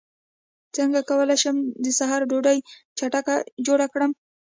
څنګه کولی شم د سحر ډوډۍ چټکه جوړه کړم